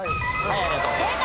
正解。